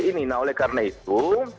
ini nah oleh karena itu